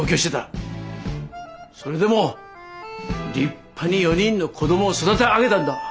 それでも立派に４人の子供を育て上げたんだ。